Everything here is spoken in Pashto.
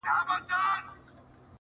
زما پر مخ بــانــدي د اوښــــــكــــــو,